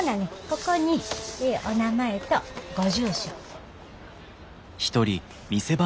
ここにお名前とご住所。